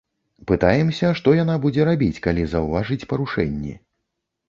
Пытаемся, што яна будзе рабіць, калі заўважыць парушэнні?